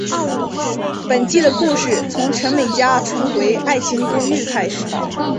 本季的故事从陈美嘉重回爱情公寓开始。